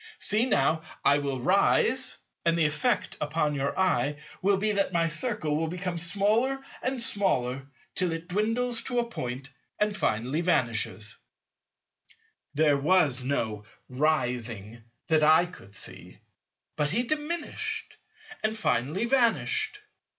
See now, I will rise; and the effect upon your eye will be that my Circle will become smaller and smaller till it dwindles to a point and finally vanishes. There was no "rising" that I could see; but he diminished and finally vanished.